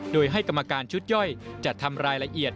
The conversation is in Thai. โดยให้กรรมการชุดย่อยจัดทำรายละเอียด